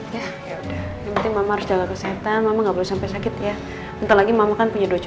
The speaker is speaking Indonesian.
ya udah ini mama harus jaga kesehatan mama nggak sampai sakit ya nanti lagi mama kan punya dua